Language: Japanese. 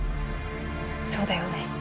そうだよね。